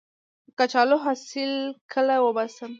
د کچالو حاصل کله وباسم؟